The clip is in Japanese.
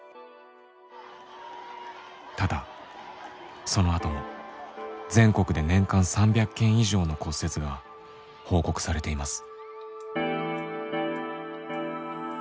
ただそのあとも全国で年間３００件以上の骨折が報告されています。